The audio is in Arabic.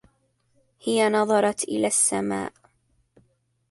هي نظرت إلى السماء.